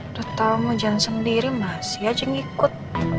udah tau mau jalan sendiri masih aja ngikut